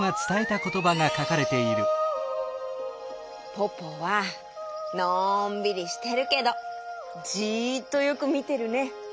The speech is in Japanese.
ポポはのんびりしてるけどじっとよくみてるね！